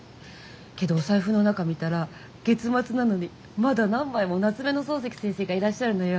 けどお財布の中見たら月末なのにまだ何枚も夏目の漱石先生がいらっしゃるのよ。